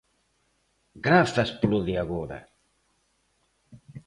Grazas polo de agora.